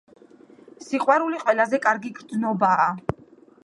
სიყვარული ყველაზე კარგი გრძნობაა